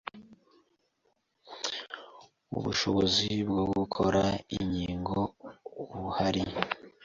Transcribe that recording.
ubushobozi bwo gukora inkingo buhari.